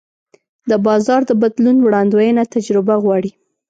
د بازار د بدلون وړاندوینه تجربه غواړي.